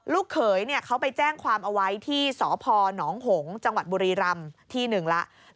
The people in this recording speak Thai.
เขยเขาไปแจ้งความเอาไว้ที่สพนหงษ์จังหวัดบุรีรำที่หนึ่งแล้ว